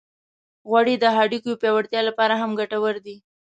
غوړې د هډوکو پیاوړتیا لپاره هم ګټورې دي.